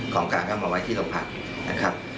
ของกลางก็เอามาไว้ที่โรงพักนะครับ